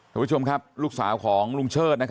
คุณผู้ชมครับลูกสาวของลุงเชิด